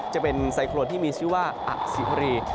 จะเป็นไซโครนที่มีชื่อว่าอสิวรี